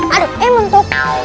aduh eh mentok